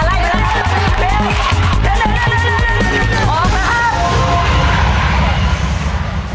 อีกแล้วครับ